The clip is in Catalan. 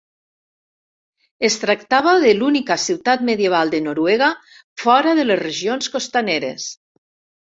Es tractava de l'única ciutat medieval de Noruega fora de les regions costaneres.